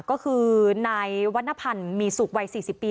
ก็คือนายวรรณพันธ์มีสุขวัย๔๐ปี